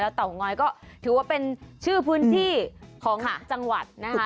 เตางอยก็ถือว่าเป็นชื่อพื้นที่ของจังหวัดนะคะ